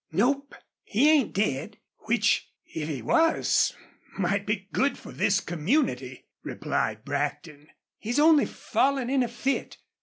"Nope, he ain't dead, which if he was might be good for this community," replied Brackton. "He's only fallen in a fit.